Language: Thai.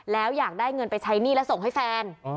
แล้วอยากได้เงินไปใช้หนี้แล้วส่งให้แฟน